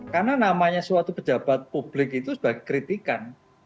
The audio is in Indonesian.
karena namanya suatu pejabat publik itu sebagai kritikan